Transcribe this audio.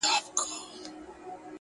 ما وې خفه یمه په زړۀ مې درد دی ,